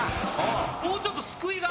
もうちょっとすくいが。